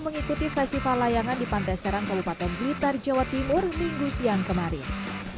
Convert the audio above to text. mengikuti festival layangan di pantai serang kabupaten blitar jawa timur minggu siang kemarin